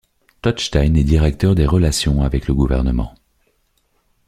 Todd Stein est directeur des relations avec les gouvernements.